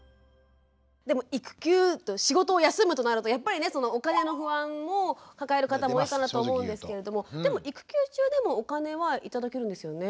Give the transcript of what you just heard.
でも育休仕事を休むとなるとやっぱりねお金の不安を抱える方も多いかなと思うんですけれどもでも育休中でもお金は頂けるんですよね？